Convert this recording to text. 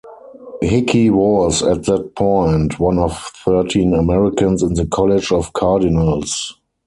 Hickey was, at that point, one of thirteen Americans in the College of Cardinals.